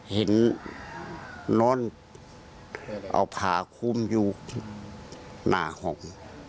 เห็นนอนเอาผาคุมอยู่หน้าห้อง